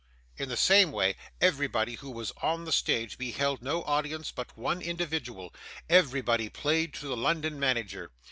In the same way, everybody who was on the stage beheld no audience but one individual; everybody played to the London manager.